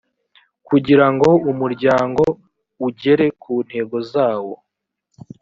kugira ngo umuryango uigere ku ntego zawo